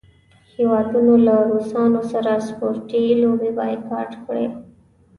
هیوادونو له روسانو سره سپورټي لوبې بایکاټ کړې.